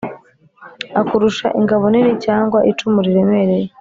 akurusha ingabo nini cyangwa icumu riremereye;